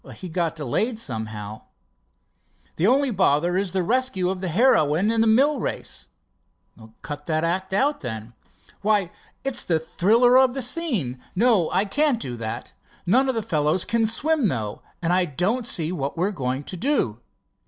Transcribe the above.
"He's got delayed somehow." "The only bother is the rescue of the heroine in the mill race." "Cut that act out, then." "Why, it's the thriller of the scene. No, I can't do that. None of the fellows can swim, though, and I don't see what we are going to do."